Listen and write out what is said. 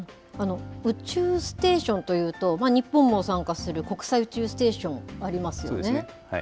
宇宙ステーションというと、日本も参加する国際宇宙ステーションありますよね。